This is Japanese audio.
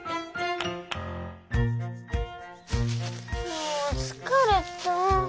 もう疲れた。